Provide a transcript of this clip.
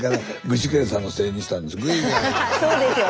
そうですよ